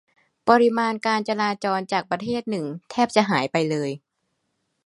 ปริมาณการจราจรจากประเทศหนึ่งแทบจะหายไปเลย